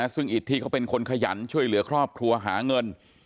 ซึ่งอิทธิเขาเป็นคนขยันช่วยเหลือครอบครัวหาเงิน